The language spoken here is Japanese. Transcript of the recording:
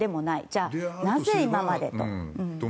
じゃあ、なぜ今までと。